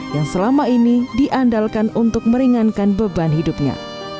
yang selama ini diandalkan untuk meringankan beban hidupnya